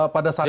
pada saat itu